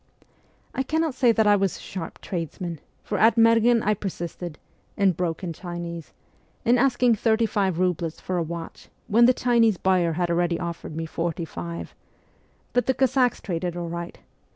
I cannot say that I was a sharp tradesman, for at Merghen I persisted (in broken Chinese) in asking thirty five roubles for a watch when the Chinese buyer had already offered me forty five; but the Cossacks traded all right.